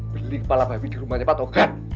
beli kepala babi di rumahnya pak togan